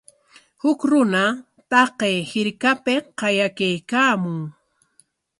Huk runa taqay hirkapik qayakaykaamun.